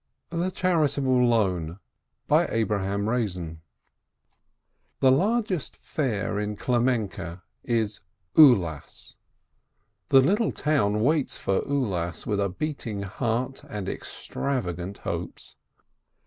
THE CHAEITABLE LOAN The largest fair in Klemenke is "Ulas." The little town waits for Ulas with a beating heart and extrava gant hopes.